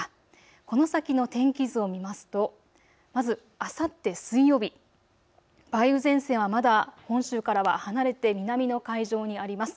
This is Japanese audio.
この先の天気図を見ますとまず、あさって水曜日、梅雨前線はまだ本州からは離れて南の海上にあります。